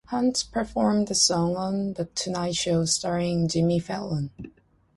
Hunt performed the song on "The Tonight Show Starring Jimmy Fallon".